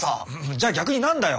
じゃあ逆になんだよ？